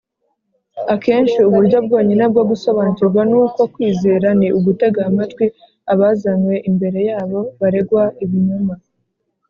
akenshi uburyo bwonyine bwo gusobanukirwa n’uko kwizera ni ugutega amatwi abazanywe imbere yabo baregwa ibinyoma